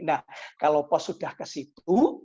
nah kalau pos sudah ke situ